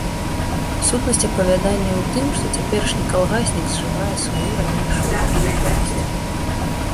Сутнасць апавядання ў тым, што цяперашні калгаснік зжывае сваю ранейшую рэлігійнасць.